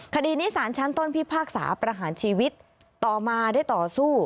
คดีนี้สารชั้นต้นพิพากษาประหารชีวิตต่อมาได้ต่อสู้